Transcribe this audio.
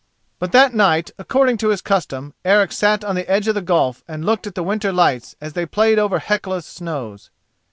But that night, according to his custom, Eric sat on the edge of the gulf and looked at the winter lights as they played over Hecla's snows.